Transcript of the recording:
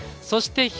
そして、